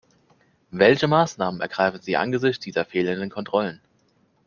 Welche Maßnahmen ergreifen Sie angesichts dieser fehlenden Kontrollen?